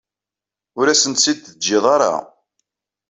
Ur asent-tt-id-teǧǧiḍ ara.